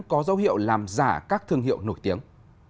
có dấu hiệu làm giả các thương hiệu nổi tiếng